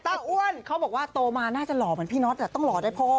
อ้วนเขาบอกว่าโตมาน่าจะหล่อเหมือนพี่น็อตต้องหล่อได้พ่อ